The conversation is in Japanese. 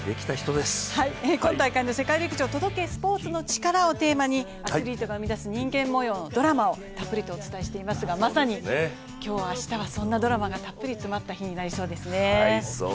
今大会の世界陸上、「届け、スポーツのチカラ」をテーマにアスリートが生み出す人間模様、ドラマをたっぷりとお伝えしていますがまさに今日、明日はそんなドラマがたっぷり詰まった日になりそうですね。